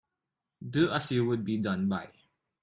Do as you would be done by.